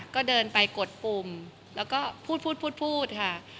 ก็เดินไปกดปุ่มแล้วก็พูดพูดค่ะ